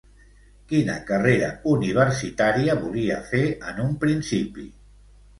Quina carrera universitària volia fer en un principi?